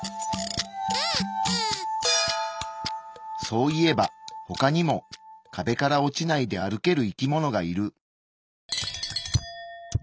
そういえば他にも壁から落ちないで歩ける生き物がいる。